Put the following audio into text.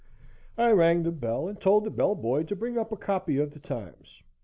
I rang the bell and told the bell boy to bring up a copy of The Times.